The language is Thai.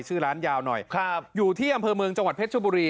ชื่อร้านยาวหน่อยครับอยู่ที่อำเภอเมืองจังหวัดเพชรชบุรี